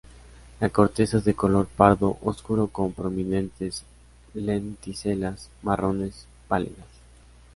La corteza es de color pardo oscuro con prominentes lenticelas marrones pálidas.